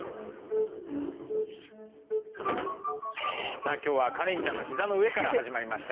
さあ今日はカレンちゃんの膝の上から始まりました。